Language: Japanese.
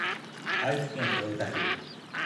愛知県豊田市